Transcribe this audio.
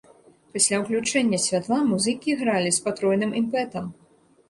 Пасля ўключэння святла музыкі гралі з патройным імпэтам!